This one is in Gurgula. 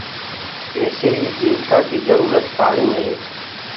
ايسي ئيٚ جيوتآنٚ ڪيٚ جروٚرت پآڻيٚ هي